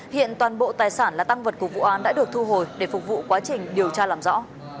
hiện toàn bộ tài sản là tăng vật của vụ án đã được thu hồi để phục vụ quá trình điều tra làm rõ